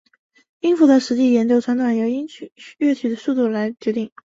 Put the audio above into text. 音符的实际演奏长短由乐曲的速度来决定。